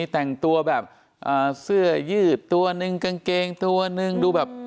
แต่งตัวแบบเสื้อยืดตัวหนึ่งกางเกงตัวนึงดูแบบ